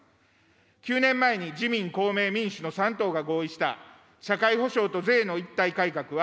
９年前に自民、民主、公明の３党が合意した社会保障と税の一体改革は、